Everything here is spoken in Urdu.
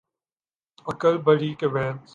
عقل بڑی کہ بھینس